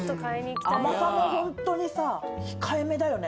甘さもホントにさ控えめだよね。